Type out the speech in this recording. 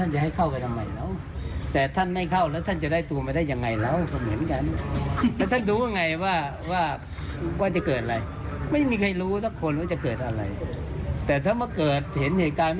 ชี้แจงแผนกระบิน